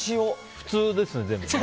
普通ですね、全部。